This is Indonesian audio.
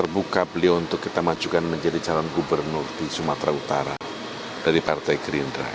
terbuka beliau untuk kita majukan menjadi calon gubernur di sumatera utara dari partai gerindra